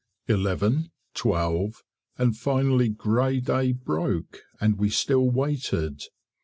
Eleven, twelve, and finally grey day broke, and we still waited.